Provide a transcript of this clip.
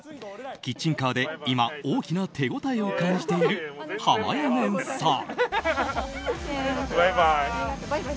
キッチンカーで今大きな手応えを感じているはまやねんさん。